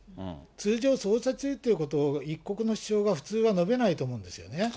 通常、捜査中っていうことを、一国の首相が普通は述べないと思うんですよね。